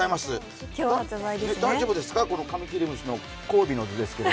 大丈夫ですか、カミキリムシの交尾の図ですけど。